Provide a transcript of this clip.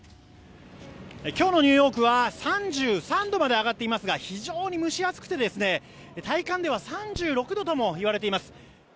今日のニューヨークは３３度まで上がっていますが非常に蒸し暑くて体感では３６度ともいわれています。